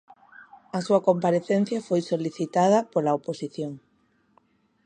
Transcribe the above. A súa comparecencia foi solicitada pola oposición.